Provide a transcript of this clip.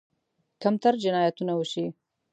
کمتر جنایتونه وشي.